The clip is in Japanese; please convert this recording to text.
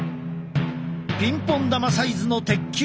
ピンポン球サイズの鉄球。